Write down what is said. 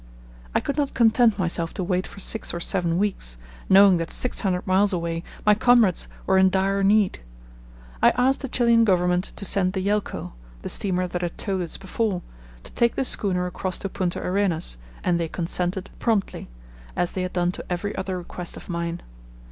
I could not content myself to wait for six or seven weeks, knowing that six hundred miles away my comrades were in dire need. I asked the Chilian Government to send the Yelcho, the steamer that had towed us before, to take the schooner across to Punta Arenas, and they consented promptly, as they had done to every other request of mine.